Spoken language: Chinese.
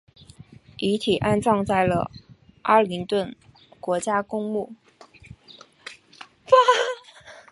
遗体安葬在了阿灵顿国家公墓